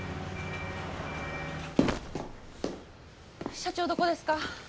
社長どこですか？